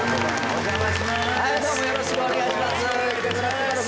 よろしくお願いします